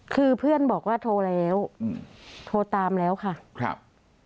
คือเพื่อนบอกว่าโทรแล้วอืมโทรตามแล้วค่ะครับ